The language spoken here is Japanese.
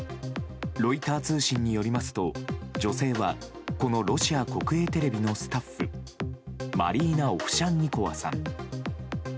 ロイター通信によりますと女性はこのロシア国営テレビのスタッフマリーナ・オフシャンニコワさん。